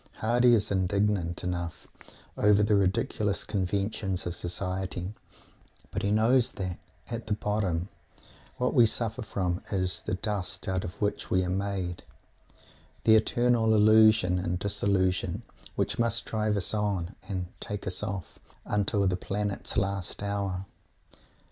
Mr. Hardy is indignant enough over the ridiculous conventions of Society, but he knows that, at the bottom, what we suffer from is "the dust out of which we are made;" the eternal illusion and disillusion which must drive us on and "take us off" until the planet's last hour. Mr.